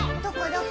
どこ？